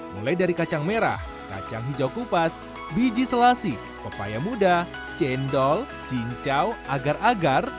mulai dari kacang merah kacang hijau kupas biji selasi pepaya muda cendol cincau agar agar